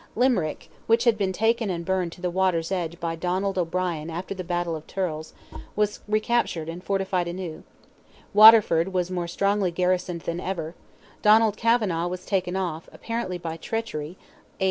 Limerick, which had been taken and burned to the water's edge by Donald O'Brien after the battle of Thurles, was recaptured and fortified anew; Waterford was more strongly garrisoned than ever; Donald Kavanagh was taken off, apparently by treachery (A.